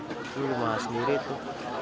itu rumah sendiri itu